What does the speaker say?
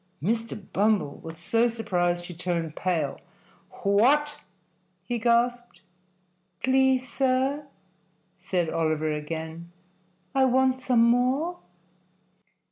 Mr. Bumble was so surprised he turned pale. "What!" he gasped. "Please, sir," said Oliver again, "I want some more."